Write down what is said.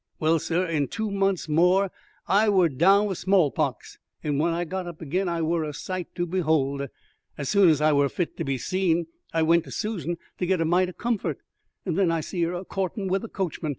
Well, sur, in two months more I were down wi' small pox, and when I got up again I wur a sight to behold. As soon as I wur fit to be seen I went to Susan to git a mite o' comfort, and then I see 'er a courtin' wi' the coachman.